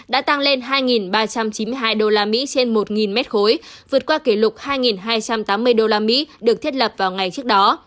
đã tăng lên hai ba trăm chín mươi hai usd trên một mét khối vượt qua kỷ lục hai hai trăm tám mươi usd được thiết lập vào ngày trước đó